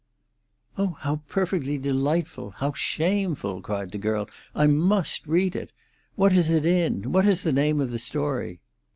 "Oh, how perfectly delightful! how shameful!" cried the girl. "I must read it. What is it in? What is the name of the story?"